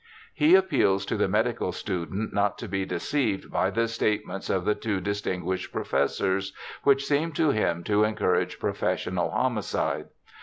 He appeals to the medical student not to be deceived by the statements of the two distinguished professors, which seem to him to encourage professional homicide.